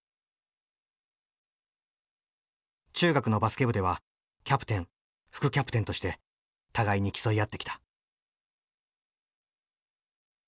中学のバスケ部ではキャプテン副キャプテンとして互いに競い合ってきた。